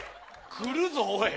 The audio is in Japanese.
来るぞ、おい。